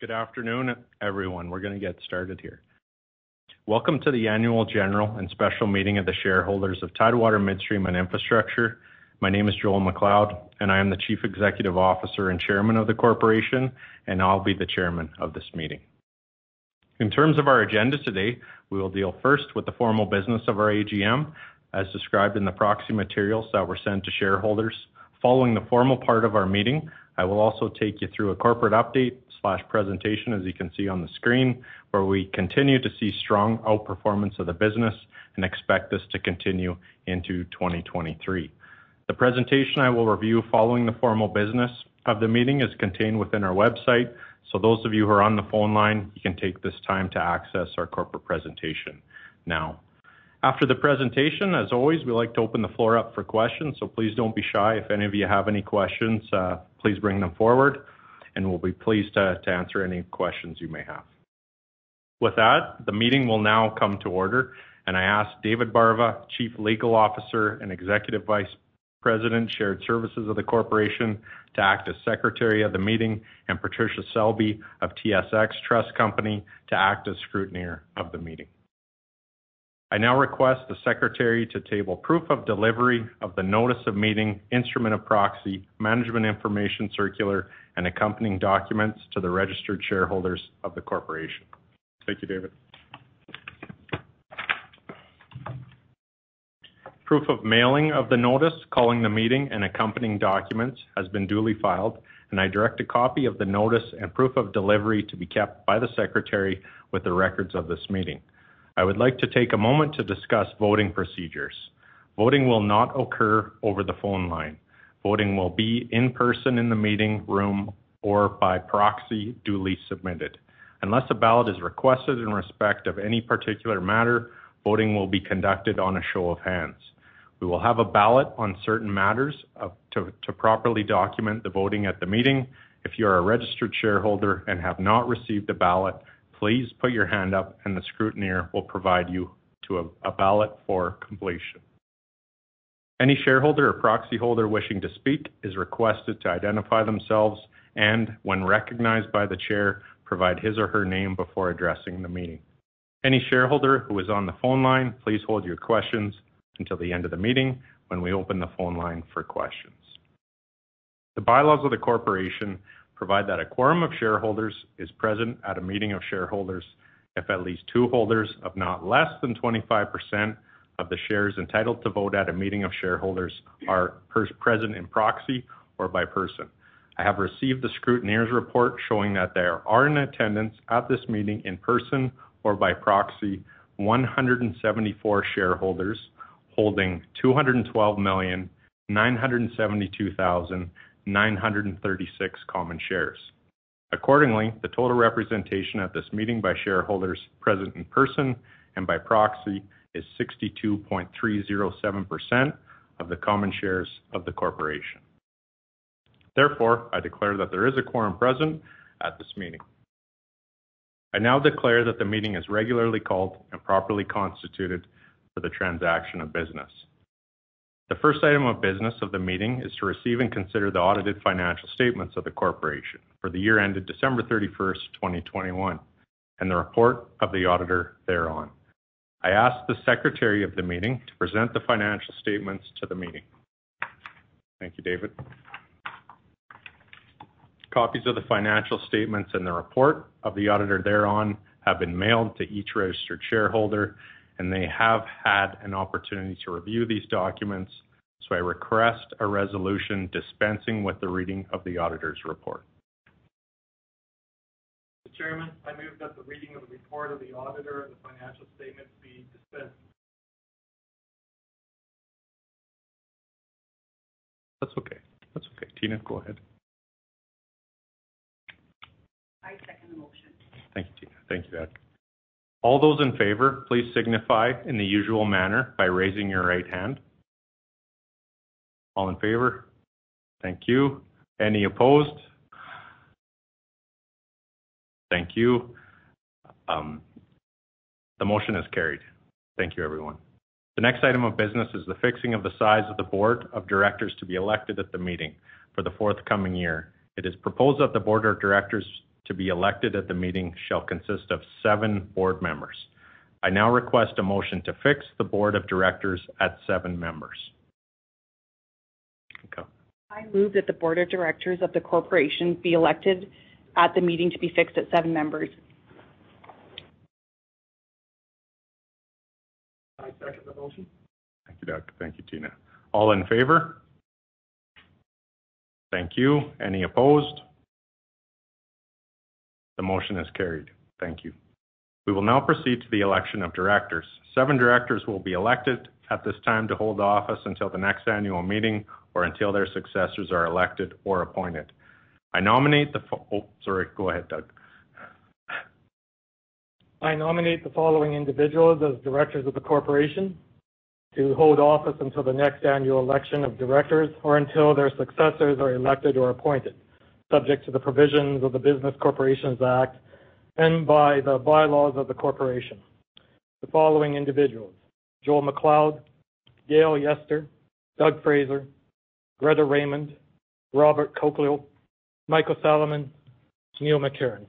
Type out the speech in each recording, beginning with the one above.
Good afternoon, everyone. We're gonna get started here. Welcome to the Annual General and Special Meeting of the Shareholders of Tidewater Midstream and Infrastructure. My name is Joel MacLeod, and I am the Chief Executive Officer and Chairman of the Corporation, and I'll be the chairman of this meeting. In terms of our agenda today, we will deal first with the formal business of our AGM as described in the proxy materials that were sent to shareholders. Following the formal part of our meeting, I will also take you through a corporate update/presentation, as you can see on the screen, where we continue to see strong outperformance of the business and expect this to continue into 2023. The presentation I will review following the formal business of the meeting is contained within our website. Those of you who are on the phone line, you can take this time to access our corporate presentation now. After the presentation, as always, we like to open the floor up for questions, so please don't be shy. If any of you have any questions, please bring them forward, and we'll be pleased to answer any questions you may have. With that, the meeting will now come to order, and I ask David Barva, Chief Legal Officer and Executive Vice President, Shared Services of the Corporation, to act as Secretary of the meeting and Patricia Selby of TSX Trust Company to act as Scrutineer of the meeting. I now request the Secretary to table proof of delivery of the notice of meeting, instrument of proxy, management information circular, and accompanying documents to the registered shareholders of the corporation. Thank you, David. Proof of mailing of the notice, calling the meeting and accompanying documents has been duly filed, and I direct a copy of the notice and proof of delivery to be kept by the Secretary with the records of this meeting. I would like to take a moment to discuss voting procedures. Voting will not occur over the phone line. Voting will be in person in the meeting room or by proxy duly submitted. Unless a ballot is requested in respect of any particular matter, voting will be conducted on a show of hands. We will have a ballot on certain matters to properly document the voting at the meeting. If you are a registered shareholder and have not received a ballot, please put your hand up and the scrutineer will provide you with a ballot for completion. Any shareholder or proxy holder wishing to speak is requested to identify themselves and, when recognized by the chair, provide his or her name before addressing the meeting. Any shareholder who is on the phone line, please hold your questions until the end of the meeting when we open the phone line for questions. The by laws of the corporation provide that a quorum of shareholders is present at a meeting of shareholders if at least two holders of not less than 25% of the shares entitled to vote at a meeting of shareholders are present in person or by proxy. I have received the scrutineer's report showing that there are in attendance at this meeting in person or by proxy 174 shareholders holding 212,972,936 common shares. Accordingly, the total representation at this meeting by shareholders present in person and by proxy is 62.307% of the common shares of the corporation. Therefore, I declare that there is a quorum present at this meeting. I now declare that the meeting is regularly called and properly constituted for the transaction of business. The first item of business of the meeting is to receive and consider the audited financial statements of the corporation for the year ended December 31, 2021, and the report of the auditor thereon. I ask the Secretary of the meeting to present the financial statements to the meeting. Thank you, David. Copies of the financial statements and the report of the auditor thereon have been mailed to each registered shareholder, and they have had an opportunity to review these documents, so I request a resolution dispensing with the reading of the auditor's report. Mr. Chairman, I move that the reading of the report of the auditor of the financial statement be dispensed. That's okay. That's okay. Tina, go ahead. I second the motion. Thank you, Tina. Thank you, Doug. All those in favor, please signify in the usual manner by raising your right hand. All in favor? Thank you. Any opposed? Thank you. The motion is carried. Thank you, everyone. The next item of business is the fixing of the size of the board of directors to be elected at the meeting for the forthcoming year. It is proposed that the board of directors to be elected at the meeting shall consist of seven board members. I now request a motion to fix the board of directors at seven members. Okay. I move that the board of directors of the corporation be elected at the meeting to be fixed at seven members. I second the motion. Thank you, Doug. Thank you, Tina. All in favor? Thank you. Any opposed? The motion is carried. Thank you. We will now proceed to the election of directors. Seven directors will be elected at this time to hold office until the next annual meeting or until their successors are elected or appointed. Oh, sorry. Go ahead, Doug. I nominate the following individuals as directors of the corporation to hold office until the next annual election of directors or until their successors are elected or appointed, subject to the provisions of the Business Corporations Act and by the bylaws of the corporation. The following individuals, Joel MacLeod, Gail Yester, Douglas Fraser, Greta Raymond, Robert Colcleugh, Michael Salamon, Neil McCarron.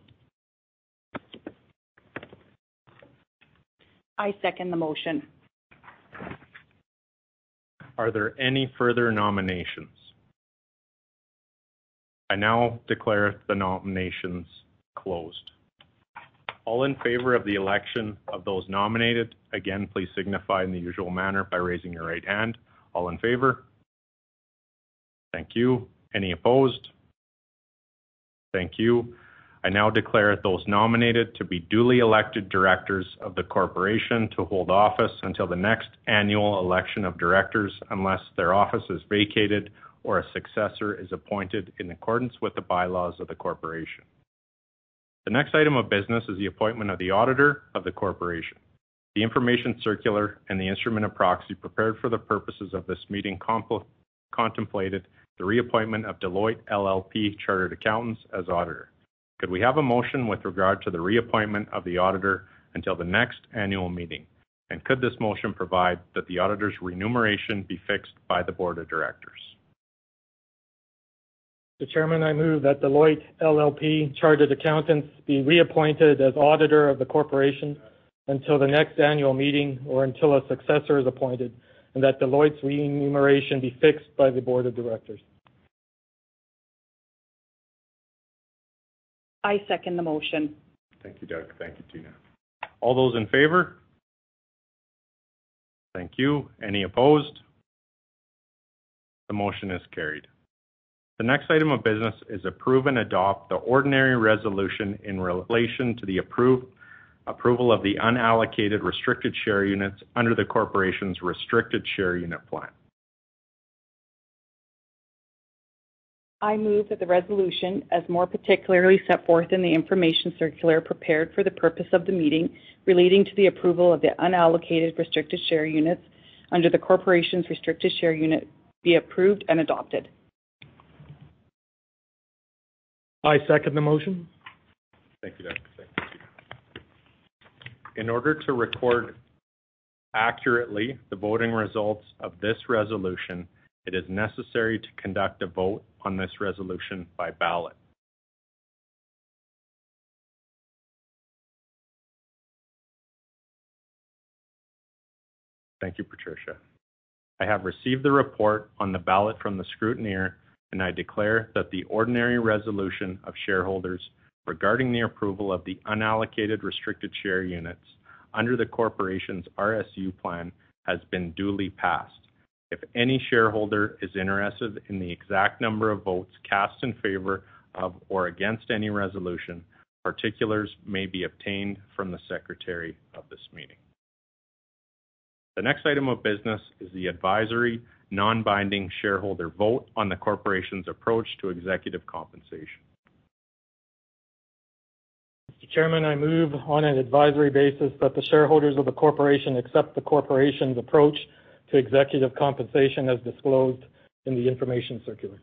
I second the motion. Are there any further nominations? I now declare the nominations closed. All in favor of the election of those nominated, again, please signify in the usual manner by raising your right hand. All in favor? Thank you. Any opposed? Thank you. I now declare those nominated to be duly elected directors of the corporation to hold office until the next annual election of directors, unless their office is vacated or a successor is appointed in accordance with the bylaws of the corporation. The next item of business is the appointment of the auditor of the corporation. The information circular and the instrument of proxy prepared for the purposes of this meeting contemplated the reappointment of Deloitte LLP Chartered Accountants as auditor. Could we have a motion with regard to the reappointment of the auditor until the next annual meeting, and could this motion provide that the auditor's remuneration be fixed by the board of directors? Chairman, I move that Deloitte LLP Chartered Accountants be reappointed as auditor of the corporation until the next annual meeting or until a successor is appointed, and that Deloitte's remuneration be fixed by the board of directors. I second the motion. Thank you, Doug. Thank you, Tina. All those in favor? Thank you. Any opposed? The motion is carried. The next item of business is approve and adopt the ordinary resolution in relation to the approval of the unallocated restricted share units under the corporation's restricted share unit plan. I move that the resolution, as more particularly set forth in the information circular prepared for the purpose of the meeting relating to the approval of the unallocated restricted share units under the corporation's restricted share unit, be approved and adopted. I second the motion. Thank you, Doug. Thank you. In order to record accurately the voting results of this resolution, it is necessary to conduct a vote on this resolution by ballot. Thank you, Patricia. I have received the report on the ballot from the scrutineer, and I declare that the ordinary resolution of shareholders regarding the approval of the unallocated restricted share units under the corporation's RSU plan has been duly passed. If any shareholder is interested in the exact number of votes cast in favor of or against any resolution, particulars may be obtained from the secretary of this meeting. The next item of business is the advisory non-binding shareholder vote on the corporation's approach to executive compensation. Mr. Chairman, I move on an advisory basis that the shareholders of the corporation accept the corporation's approach to executive compensation as disclosed in the information circular.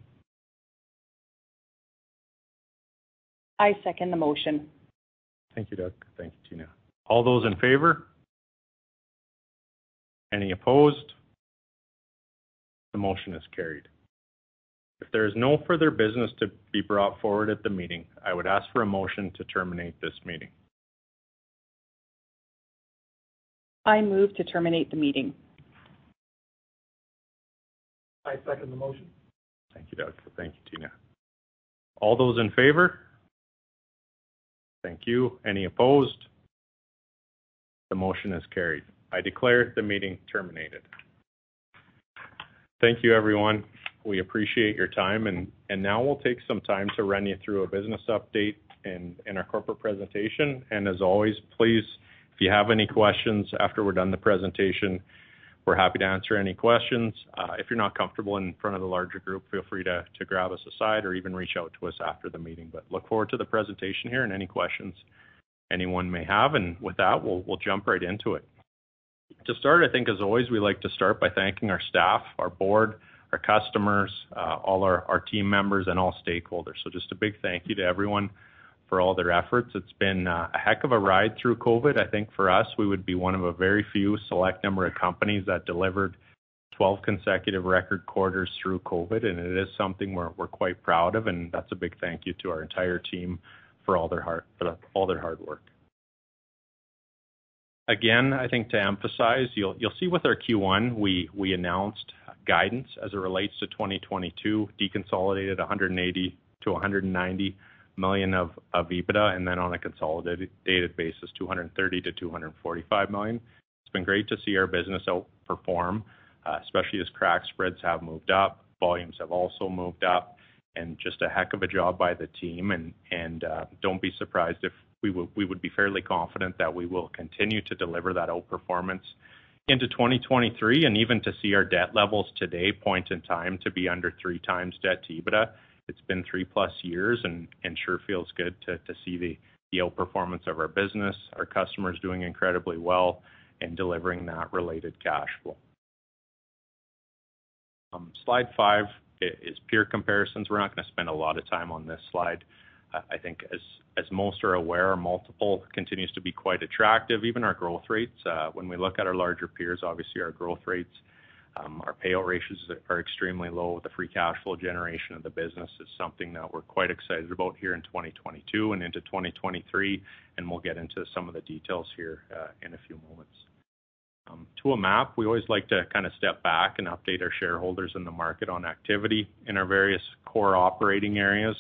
I second the motion. Thank you, Doug. Thank you, Tina. All those in favor? Any opposed? The motion is carried. If there is no further business to be brought forward at the meeting, I would ask for a motion to terminate this meeting. I move to terminate the meeting. I second the motion. Thank you, Doug. Thank you, Tina. All those in favor? Thank you. Any opposed? The motion is carried. I declare the meeting terminated. Thank you, everyone. We appreciate your time. Now we'll take some time to run you through a business update and our corporate presentation. As always, please, if you have any questions after we're done the presentation, we're happy to answer any questions. If you're not comfortable in front of the larger group, feel free to grab us aside or even reach out to us after the meeting. Look forward to the presentation here and any questions anyone may have. With that, we'll jump right into it. To start, I think as always, we like to start by thanking our staff, our board, our customers, all our team members and all stakeholders. Just a big thank you to everyone for all their efforts. It's been a heck of a ride through COVID. I think for us, we would be one of a very few select number of companies that delivered 12 consecutive record quarters through COVID, and it is something we're quite proud of, and that's a big thank you to our entire team for all their hard work. Again, I think to emphasize, you'll see with our Q1, we announced guidance as it relates to 2022, deconsolidated 180 to 190 million of EBITDA, and then on a consolidated basis, 230 to 245 million. It's been great to see our business outperform, especially as crack spreads have moved up, volumes have also moved up, and just a heck of a job by the team. Don't be surprised if we would be fairly confident that we will continue to deliver that outperformance into 2023 and even to see our debt levels at this point in time to be under 3x debt to EBITDA. It's been 3+ years and sure feels good to see the outperformance of our business, our customers doing incredibly well and delivering that related cash flow. Slide five is peer comparisons. We're not gonna spend a lot of time on this slide. I think as most are aware, multiple continues to be quite attractive. Even our growth rates, when we look at our larger peers, obviously, our growth rates, our payout ratios are extremely low. The free cash flow generation of the business is something that we're quite excited about here in 2022 and into 2023, and we'll get into some of the details here, in a few moments. To a map, we always like to kinda step back and update our shareholders in the market on activity in our various core operating areas.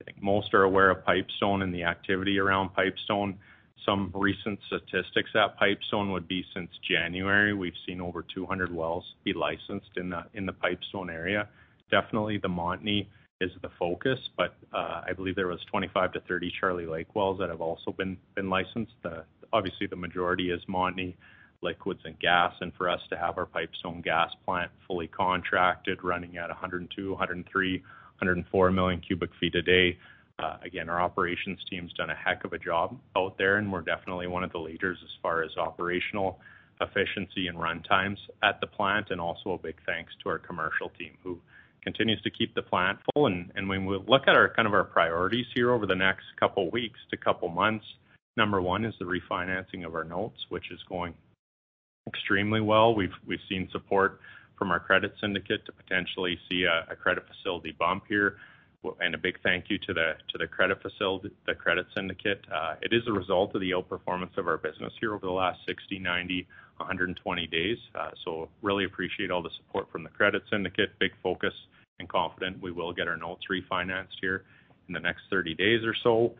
I think most are aware of Pipestone and the activity around Pipestone. Some recent statistics at Pipestone would be since January, we've seen over 200 wells be licensed in the Pipestone area. Definitely, the Montney is the focus, but I believe there was 25 to 30 Charlie Lake wells that have also been licensed. Obviously, the majority is Montney liquids and gas, and for us to have our Pipestone gas plant fully contracted, running at 102, 103, 104 million cubic feet a day. Again, our operations team's done a heck of a job out there, and we're definitely one of the leaders as far as operational efficiency and runtimes at the plant. When we look at kind of our priorities here over the next couple of weeks to couple months, number one is the refinancing of our notes, which is going extremely well. We've seen support from our credit syndicate to potentially see a credit facility bump here. A big thank you to the credit facility, the credit syndicate. It is a result of the outperformance of our business here over the last 60, 90, 120 days. Really appreciate all the support from the credit syndicate, big focus and confident we will get our notes refinanced here in the next 30 days or so.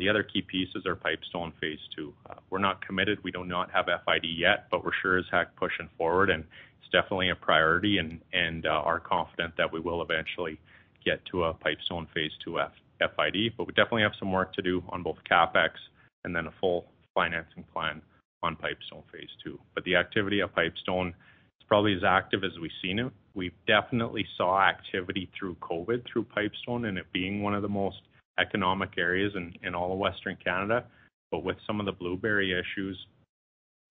The other key piece is our Pipestone phase two. We're not committed. We do not have FID yet, but we're sure as heck pushing forward, and it's definitely a priority and are confident that we will eventually get to a Pipestone phase two FID. We definitely have some work to do on both CapEx and then a full financing plan on Pipestone phase two. The activity of Pipestone is probably as active as we've seen it. We definitely saw activity through COVID, through Pipestone, and it being one of the most economic areas in all of Western Canada. With some of the Blueberry issues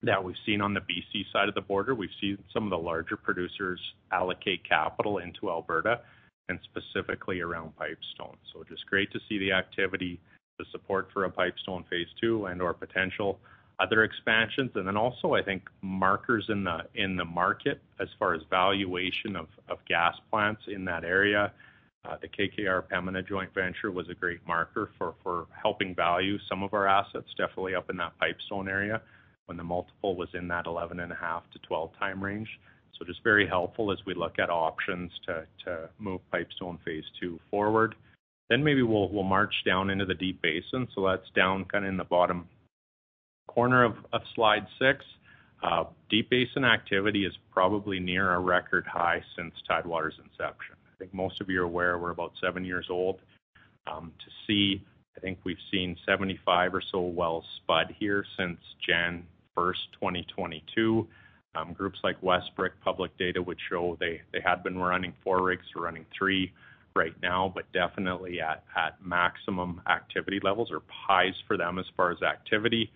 that we've seen on the BC side of the border, we've seen some of the larger producers allocate capital into Alberta and specifically around Pipestone. Just great to see the activity, the support for a Pipestone phase two and/or potential other expansions. Then also, I think markers in the market as far as valuation of gas plants in that area. The KKR & Pembina joint venture was a great marker for helping value some of our assets definitely up in that Pipestone area when the multiple was in that 11.5x to 12x range. Just very helpful as we look at options to move Pipestone phase two forward. Maybe we'll March down into the Deep Basin. That's down kinda in the bottom corner of slide six. Deep Basin activity is probably near a record high since Tidewater's inception. I think most of you are aware we're about seven years old. To see, I think we've seen 75 or so wells spud here since January 1, 2022. Groups like Westbrick Public Data would show they had been running four rigs. They're running three right now, but definitely at maximum activity levels or highs for them as far as activity.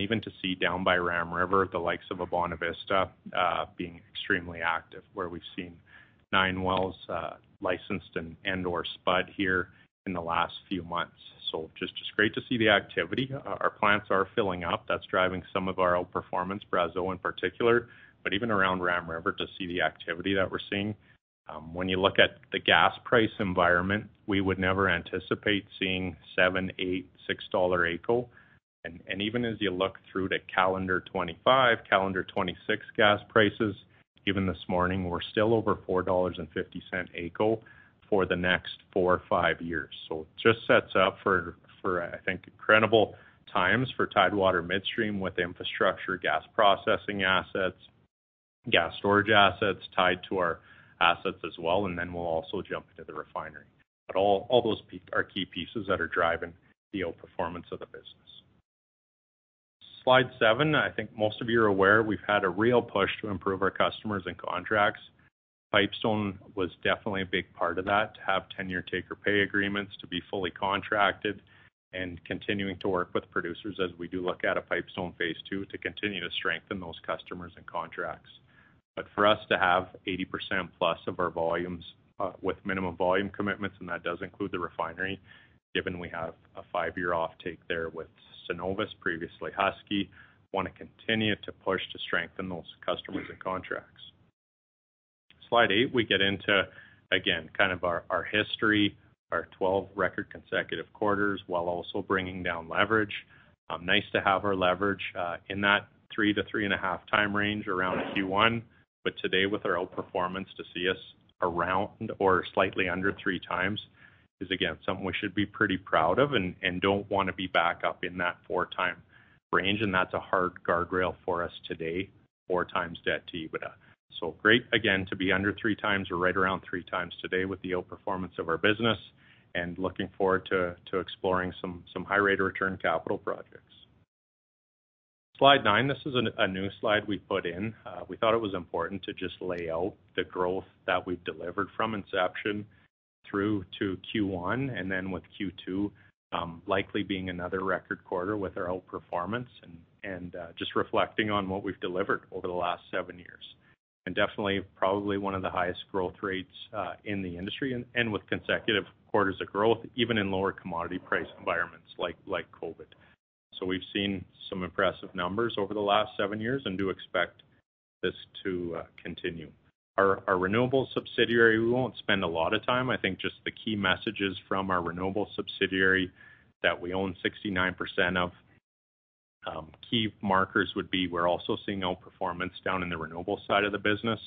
Even to see down by Ram River, the likes of Bonavista being extremely active, where we've seen nine wells licensed and/or spud here in the last few months. Just great to see the activity. Our plants are filling up. That's driving some of our outperformance, Brazeau in particular, but even around Ram River, to see the activity that we're seeing. When you look at the gas price environment, we would never anticipate seeing 7, 8, 6 dollar AECO. Even as you look through to calendar 2025, calendar 2026 gas prices, even this morning, we're still over 4.50 dollars AECO for the next four or five years. It just sets up for, I think, incredible times for Tidewater Midstream and Infrastructure, gas processing assets, gas storage assets tied to our assets as well. Then we'll also jump into the refinery. All those pieces are key pieces that are driving the outperformance of the business. Slide seven, I think most of you are aware, we've had a real push to improve our customers and contracts. Pipestone was definitely a big part of that, to have 10-year take-or-pay agreements, to be fully contracted and continuing to work with producers as we do look at a Pipestone phase two to continue to strengthen those customers and contracts. For us to have 80%+ of our volumes with minimum volume commitments, and that does include the refinery, given we have a five year offtake there with Cenovus, previously Husky, wanna continue to push to strengthen those customers and contracts. Slide eight, we get into, again, kind of our history, 12 record consecutive quarters, while also bringing down leverage. Nice to have our leverage in that 3x to 3.5x range around Q1. Today with our outperformance to see us around or slightly under 3x is again something we should be pretty proud of and don't wanna be back up in that 4x range. That's a hard guardrail for us today, 4x debt to EBITDA. Great again to be under 3x or right around 3x today with the outperformance of our business and looking forward to exploring some high rate of return capital projects. Slide nine, this is a new slide we put in. We thought it was important to just lay out the growth that we've delivered from inception through to Q1, and then with Q2 likely being another record quarter with our outperformance and just reflecting on what we've delivered over the last seven years. Definitely, probably one of the highest growth rates in the industry and with consecutive quarters of growth, even in lower commodity price environments like COVID. We've seen some impressive numbers over the last seven years and do expect this to continue. Our renewables subsidiary, we won't spend a lot of time. I think just the key messages from our renewables subsidiary that we own 69% of, key markers would be we're also seeing outperformance down in the renewables side of the business.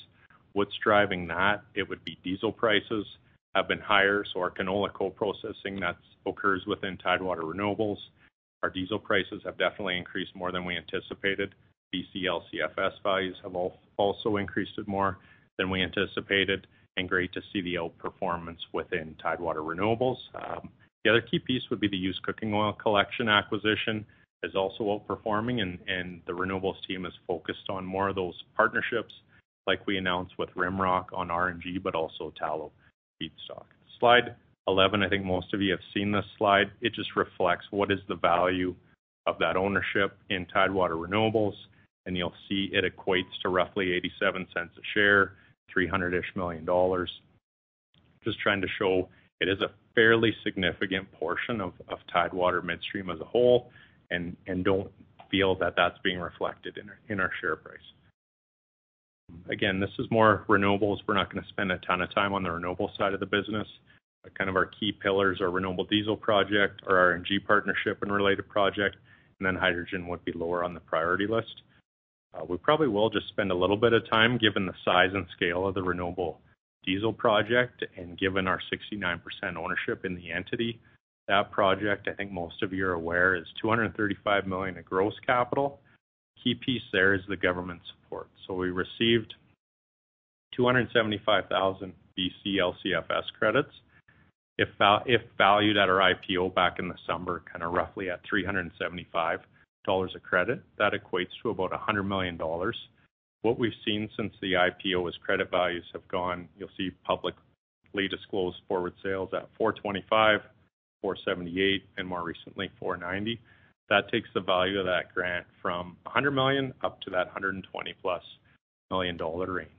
What's driving that? It would be diesel prices have been higher, so our canola co-processing that occurs within Tidewater Renewables. Our diesel prices have definitely increased more than we anticipated. BCLCFS values have also increased more than we anticipated, and great to see the outperformance within Tidewater Renewables. The other key piece would be the used cooking oil collection acquisition is also outperforming and the renewables team is focused on more of those partnerships like we announced with Rimrock on RNG, but also Tallow Feedstock. Slide 11. I think most of you have seen this slide. It just reflects what is the value of that ownership in Tidewater Renewables, and you'll see it equates to roughly 0.87 per share, 300 million dollars. Just trying to show it is a fairly significant portion of Tidewater Midstream as a whole and don't feel that that's being reflected in our share price. Again, this is more renewables. We're not gonna spend a ton of time on the renewables side of the business. Our key pillars are renewable diesel project or RNG partnership and related project, and then hydrogen would be lower on the priority list. We probably will just spend a little bit of time given the size and scale of the renewable diesel project and given our 69% ownership in the entity. That project, I think most of you are aware, is 235 million in gross capital. Key piece there is the government support. We received 275,000 BCLCFS credits. If valued at our IPO back in the summer, kinda roughly at 375 dollars a credit, that equates to about 100 million dollars. What we've seen since the IPO is credit values have gone up. You'll see publicly disclosed forward sales at 425, 478, and more recently, 490. That takes the value of that grant from 100 million up to that 120+ million-dollar range.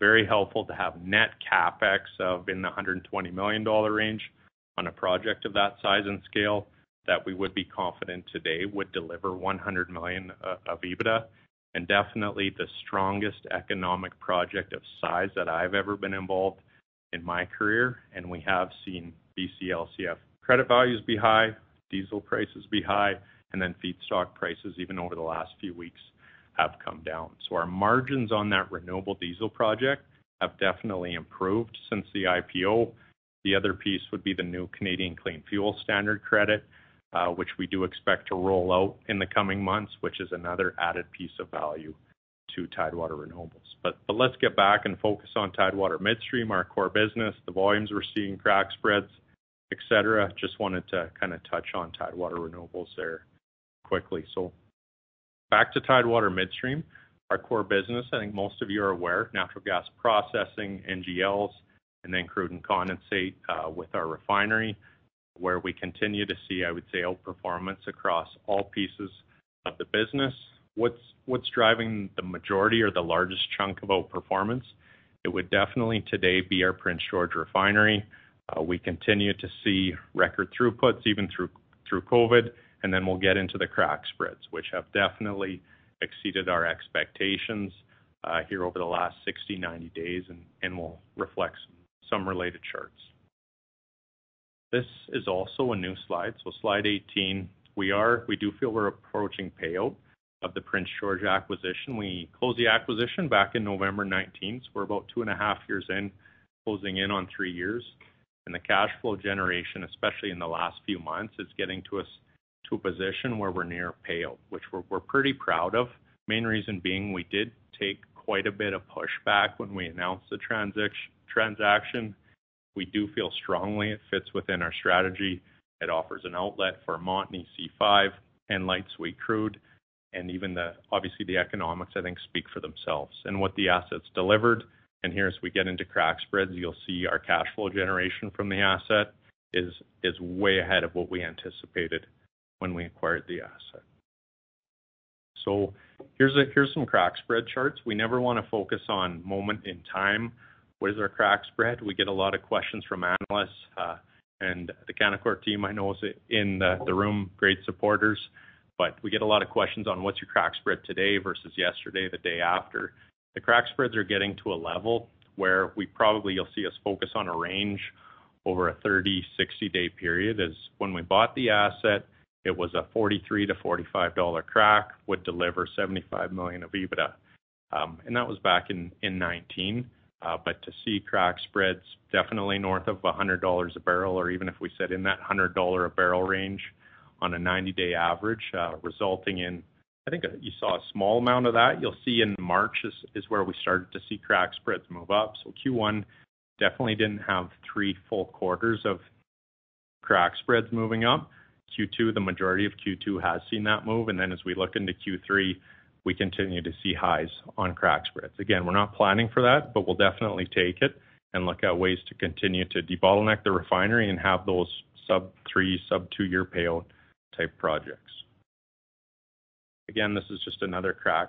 Very helpful to have net CapEx of 120 million dollar on a project of that size and scale that we would be confident today would deliver 100 million of EBITDA. Definitely the strongest economic project of size that I've ever been involved in my career. We have seen BCLCFS credit values be high, diesel prices be high, and then feedstock prices, even over the last few weeks, have come down. Our margins on that renewable diesel project have definitely improved since the IPO. The other piece would be the new Canadian Clean Fuel Standard credit, which we do expect to roll out in the coming months, which is another added piece of value to Tidewater Renewables. Let's get back and focus on Tidewater Midstream, our core business, the volumes we're seeing, crack spreads, et cetera. Just wanted to kinda touch on Tidewater Renewables there quickly. Back to Tidewater Midstream, our core business, I think most of you are aware, natural gas processing, NGLs, and then crude and condensate with our refinery, where we continue to see, I would say, outperformance across all pieces of the business. What's driving the majority or the largest chunk of outperformance? It would definitely today be our Prince George Refinery. We continue to see record throughputs even through COVID, and then we'll get into the crack spreads, which have definitely exceeded our expectations here over the last 60, 90 days and will reflect some related charts. This is also a new slide. Slide 18, we do feel we're approaching payout of the Prince George acquisition. We closed the acquisition back in November 2019, so we're about 2.5 years in, closing in on three years. The cash flow generation, especially in the last few months, is getting to a position where we're near payout, which we're pretty proud of. Main reason being we did take quite a bit of pushback when we announced the transaction. We do feel strongly it fits within our strategy. It offers an outlet for Montney C5 and light sweet crude, and even obviously, the economics, I think, speak for themselves and what the assets delivered. Here, as we get into crack spreads, you'll see our cash flow generation from the asset is way ahead of what we anticipated when we acquired the asset. Here's some crack spread charts. We never wanna focus on a moment in time. What is our crack spread? We get a lot of questions from analysts, and the Canaccord team I know is in the room, great supporters. We get a lot of questions on what's your crack spread today versus yesterday, the day after. The crack spreads are getting to a level where we probably you'll see us focus on a range over a 30-, 60-day period. When we bought the asset, it was a 43 to 45 dollar crack, would deliver 75 million of EBITDA. And that was back in 2019. To see crack spreads definitely north of 100 dollars a barrel or even if we sit in that $100 a barrel range on a 90-day average, resulting in. I think you saw a small amount of that. You'll see in March is where we started to see crack spreads move up. Q1 definitely didn't have three full quarters of crack spreads moving up. Q2, the majority of Q2 has seen that move. As we look into Q3, we continue to see highs on crack spreads. Again, we're not planning for that, but we'll definitely take it and look at ways to continue to debottleneck the refinery and have those sub three, sub two-year payout type projects. Again, this is just another crack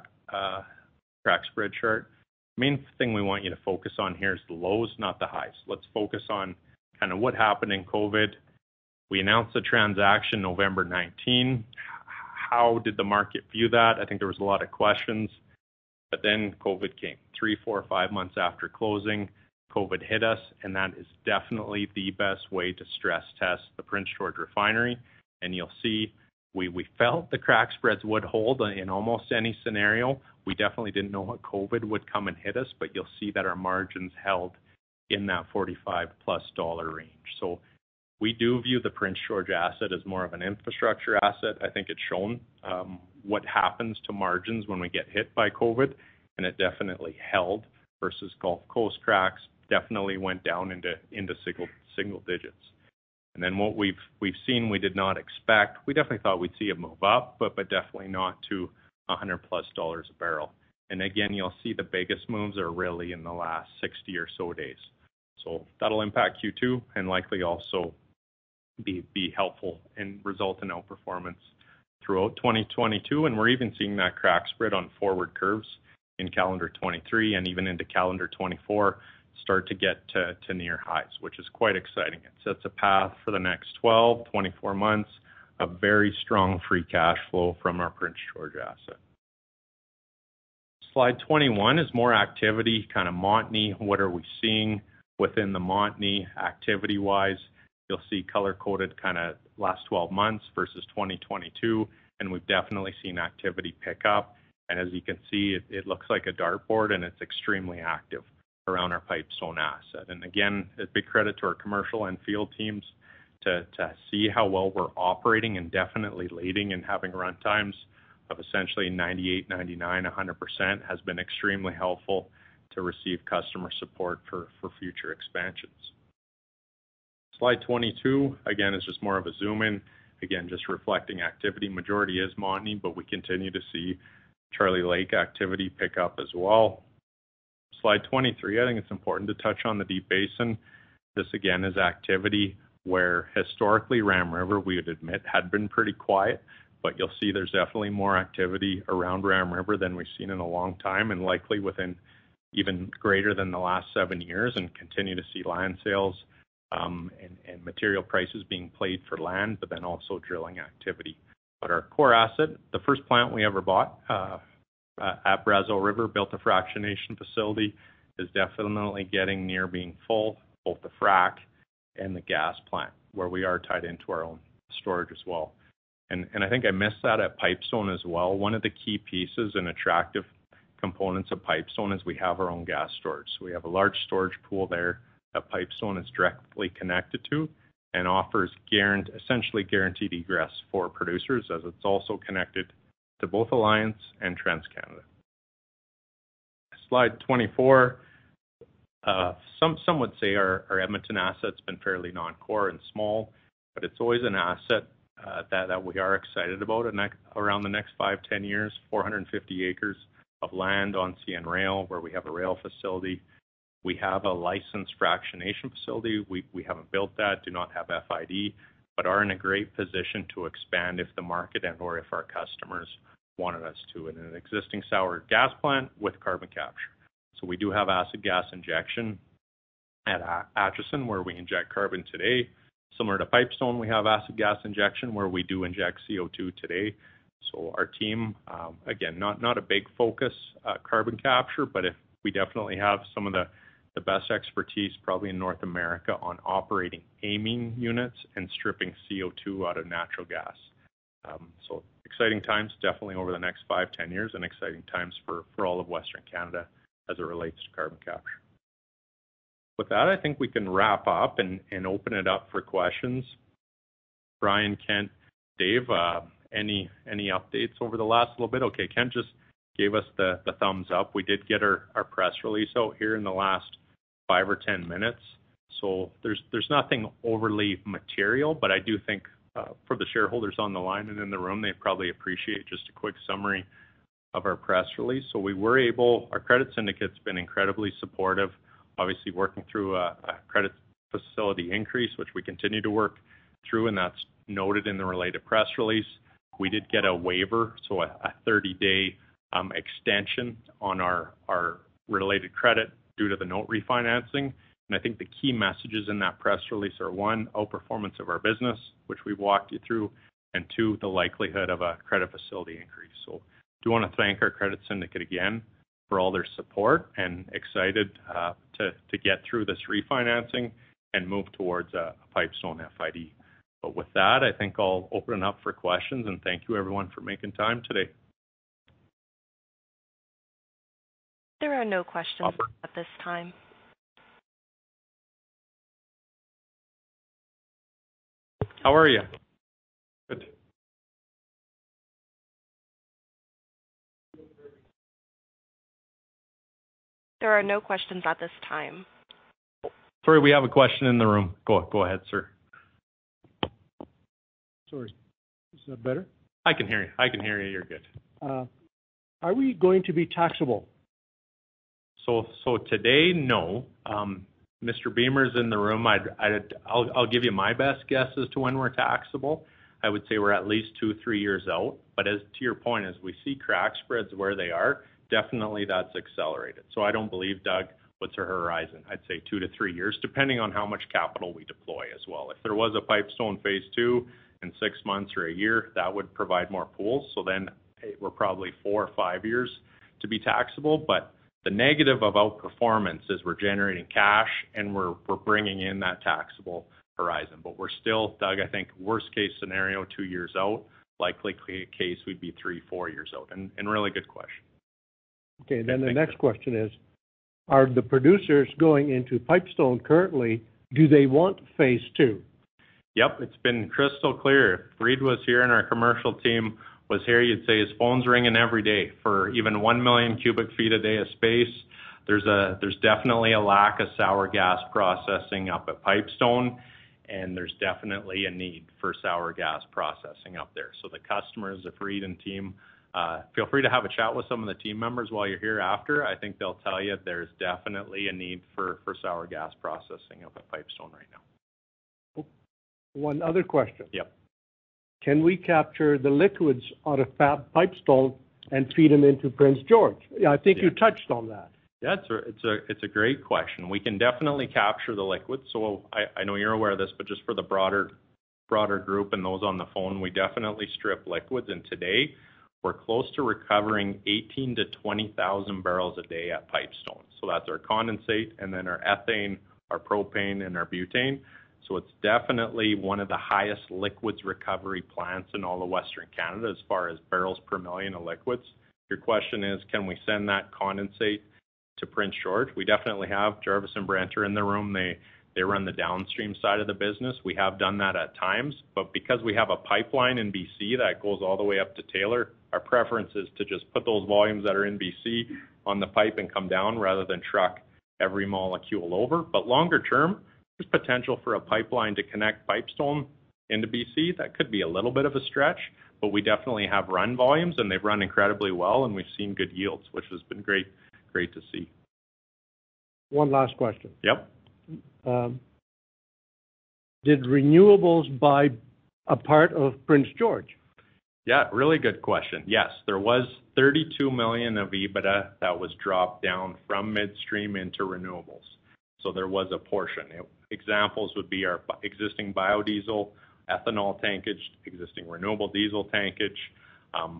spread chart. Main thing we want you to focus on here is the lows, not the highs. Let's focus on kinda what happened in COVID. We announced the transaction November 2019. How did the market view that? I think there was a lot of questions. COVID came three, four, five months after closing. COVID hit us, and that is definitely the best way to stress test the Prince George Refinery. You'll see we felt the crack spreads would hold in almost any scenario. We definitely didn't know what COVID would come and hit us, but you'll see that our margins held in that 45+ dollar range. We do view the Prince George asset as more of an infrastructure asset. I think it's shown what happens to margins when we get hit by COVID, and it definitely held versus Gulf Coast cracks. They went down into single digits. Then what we've seen, we did not expect. We definitely thought we'd see it move up, but definitely not to 100+ dollars a barrel. Again, you'll see the biggest moves are really in the last 60 or so days. That'll impact Q2 and likely also be helpful and result in outperformance throughout 2022. We're even seeing that crack spread on forward curves in calendar 2023 and even into calendar 2024 start to get to near highs, which is quite exciting. It sets a path for the next 12, 24 months, a very strong free cash flow from our Prince George asset. Slide 21 is more activity, kind of Montney. What are we seeing within the Montney activity-wise? You'll see color-coded kinda last 12 months versus 2022, and we've definitely seen activity pick up. As you can see, it looks like a dartboard, and it's extremely active around our Pipestone asset. Again, a big credit to our commercial and field teams to see how well we're operating and definitely leading and having run times of essentially 98%, 99%, 100% has been extremely helpful to receive customer support for future expansions. Slide 22, again, is just more of a zoom in. Again, just reflecting activity. Majority is Montney, but we continue to see Charlie Lake activity pick up as well. Slide 23, I think it's important to touch on the Deep Basin. This again is activity where historically Ram River, we would admit, had been pretty quiet. You'll see there's definitely more activity around Ram River than we've seen in a long time, and likely within even greater than the last seven years, and continue to see land sales, and material prices being played for land, but then also drilling activity. Our core asset, the first plant we ever bought, at Brazeau River, built a fractionation facility, is definitely getting near being full, both the frac and the gas plant, where we are tied into our own storage as well. I think I missed that at Pipestone as well. One of the key pieces and attractive components of Pipestone is we have our own gas storage. We have a large storage pool there that Pipestone is directly connected to and offers essentially guaranteed egress for producers as it's also connected to both Alliance and TransCanada. Slide 24. Some would say our Edmonton asset's been fairly non-core and small, but it's always an asset that we are excited about around the next five, 10 years. 450 acres of land on CN Rail, where we have a rail facility. We have a licensed fractionation facility. We haven't built that, do not have FID, but are in a great position to expand if the market and/or if our customers wanted us to in an existing sour gas plant with carbon capture. We do have acid gas injection at Acheson, where we inject carbon today. Similar to Pipestone, we have acid gas injection where we do inject CO2 today. Our team, again, not a big focus on carbon capture, but we definitely have some of the best expertise probably in North America on operating amine units and stripping CO2 out of natural gas. Exciting times definitely over the next five, 10 years, and exciting times for all of Western Canada as it relates to carbon capture. With that, I think we can wrap up and open it up for questions. Brian, Kent, David, any updates over the last little bit? Okay, Kent just gave us the thumbs up. We did get our press release out here in the last five or 10 minutes. There's nothing overly material, but I do think for the shareholders on the line and in the room, they probably appreciate just a quick summary of our press release. Our credit syndicate's been incredibly supportive, obviously working through a credit facility increase, which we continue to work through, and that's noted in the related press release. We did get a waiver, so a 30-day extension on our related credit due to the note refinancing. I think the key messages in that press release are, one, outperformance of our business, which we walked you through, and two, the likelihood of a credit facility increase. I do wanna thank our credit syndicate again for all their support and excited to get through this refinancing and move towards a Pipestone FID. With that, I think I'll open it up for questions, and thank you everyone for making time today. There are no questions at this time. How are you? Good. There are no questions at this time. Sorry, we have a question in the room. Go ahead, sir. Sorry, is that better? I can hear you. I can hear you. You're good. Are we going to be taxable? Today, no. Mr. Beamer is in the room. I'll give you my best guess as to when we're taxable. I would say we're at least two, three years out. As to your point, as we see crack spreads where they are, definitely that's accelerated. I don't believe, Doug, what's our horizon? I'd say two to three years, depending on how much capital we deploy as well. If there was a Pipestone phase two in six months or one year, that would provide more pools. Then we're probably four, five years to be taxable. The negative of outperformance is we're generating cash and we're bringing in that taxable horizon. We're still, Doug, I think worst case scenario, two years out, likely case we'd be three, four years out. Really good question. Okay. The next question is, are the producers going into Pipestone currently? Do they want phase two? Yep. It's been crystal clear. If Reed was here and our commercial team was here, you'd say his phone's ringing every day for even 1 million cubic feet a day of space. There's definitely a lack of sour gas processing up at Pipestone, and there's definitely a need for sour gas processing up there. The customers, if Reed and team feel free to have a chat with some of the team members while you're here after. I think they'll tell you there's definitely a need for sour gas processing up at Pipestone right now. One other question. Yep. Can we capture the liquids out of Pipestone and feed them into Prince George? Yeah. I think you touched on that. Yeah, it's a great question. We can definitely capture the liquids. I know you're aware of this, but just for the broader group and those on the phone, we definitely strip liquids. Today we're close to recovering 18,000 to 20,000 barrels a day at Pipestone. That's our condensate and then our ethane, our propane and our butane. It's definitely one of the highest liquids recovery plants in all of Western Canada as far as barrels per million of liquids. Your question is, can we send that condensate to Prince George? We definitely have. Jarvis and Brant are in the room. They run the downstream side of the business. We have done that at times, but because we have a pipeline in BC that goes all the way up to Taylor, our preference is to just put those volumes that are in BC on the pipe and come down rather than truck every molecule over. Longer term, there's potential for a pipeline to connect Pipestone into BC. That could be a little bit of a stretch, but we definitely have run volumes, and they've run incredibly well. We've seen good yields, which has been great to see. One last question. Yep. Did renewables buy a part of Prince George? Yeah, really good question. Yes. There was 32 million of EBITDA that was dropped down from midstream into renewables. There was a portion. Examples would be our existing biodiesel, ethanol tankage, existing renewable diesel tankage.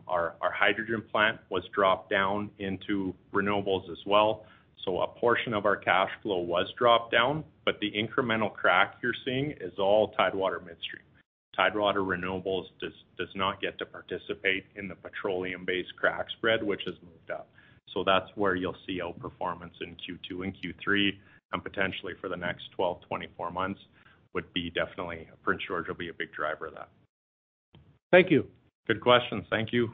Our hydrogen plant was dropped down into renewables as well. A portion of our cash flow was dropped down. The incremental crack you're seeing is all Tidewater Midstream. Tidewater Renewables does not get to participate in the petroleum-based crack spread, which has moved up. That's where you'll see outperformance in Q2 and Q3 and potentially for the next 12, 24 months would be definitely Prince George will be a big driver of that. Thank you. Good question. Thank you.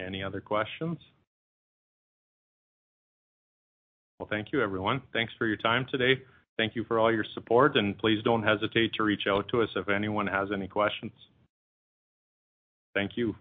Any other questions? Well, thank you, everyone. Thanks for your time today. Thank you for all your support, and please don't hesitate to reach out to us if anyone has any questions. Thank you.